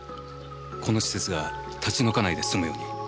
この施設が立ち退かないですむように。